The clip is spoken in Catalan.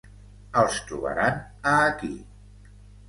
Els trobaran a aquí.